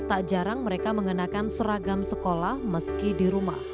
tak jarang mereka mengenakan seragam sekolah meski di rumah